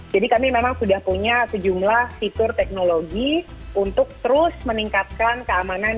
jadi kami memang sudah punya sejumlah fitur teknologi untuk terus meningkatkan keamanan